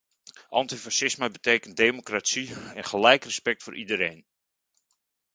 Antifascisme betekent democratie en gelijk respect voor iedereen.